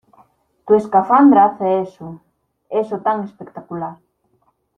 Tu escafandra hace eso... Eso tan espectacular .